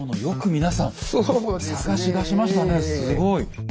すごい。